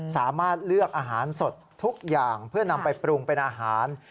สามารถเลือกอาหารสดทุกอย่างเพื่อนำไปปรุงเป็นอาหาร